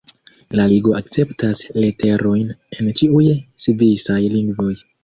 La ligo akceptas leterojn en ĉiuj svisaj lingvoj.